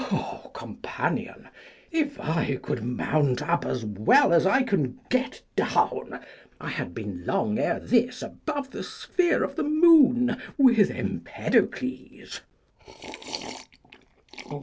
O companion! if I could mount up as well as I can get down, I had been long ere this above the sphere of the moon with Empedocles.